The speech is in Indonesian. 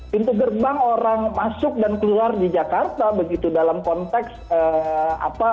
pintu gerbang orang masuk dan keluar di jakarta begitu dalam konteks apa